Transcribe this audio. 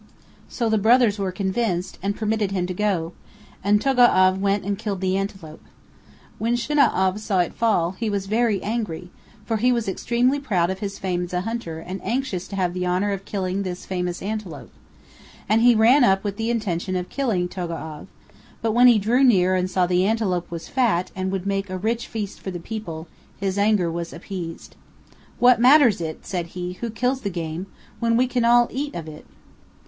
So the brothers were convinced and permitted him to go; and Togo'av went and killed the antelope. When Shinau'av saw it fall, he was very angry, for he was extremely proud of his fame as a hunter and anxious to have the honor of killing this famous antelope, and he ran up with the intention of killing Togo'av; but when he drew near and saw the antelope was fat and would make a rich feast for the people, his anger was appeased. "What matters it," said he, "who kills the game, when we can all eat it?"